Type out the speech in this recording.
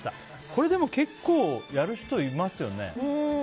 これでも結構やる人いますよね。